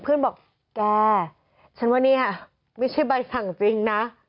เพื่อนบอกแกฉันว่าเนี่ยไม่ใช่ใบสั่งจริงนะ